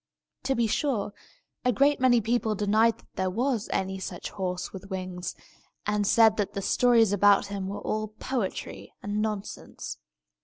To be sure, a great many people denied that there was any such horse with wings, and said that the stories about him were all poetry and nonsense.